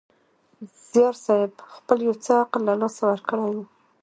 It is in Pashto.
زیارصېب خپل یو څه عقل له لاسه ورکړی وي.